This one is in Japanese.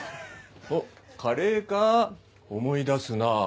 おっカレーか思い出すなぁ。